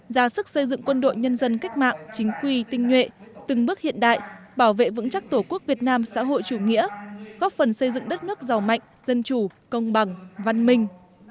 ra sức xây dựng quân đội nhân dân cách mạng chính quy tinh nhuệ từng bước hiện đại bảo vệ vững chắc tổ quốc việt nam xã hội chủ nghĩa góp phần xây dựng đất nước giàu mạnh dân chủ công bằng văn minh